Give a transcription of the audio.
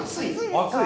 熱い。